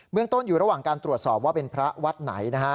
เมืองต้นอยู่ระหว่างการตรวจสอบว่าเป็นพระวัดไหนนะฮะ